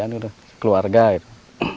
saya diandung keluarga gitu